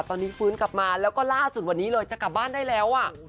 ตอนนี้ฟื้นกลับมาแล้วก็ล่าสุดวันนี้เลยจะกลับบ้านได้แล้วอ่ะ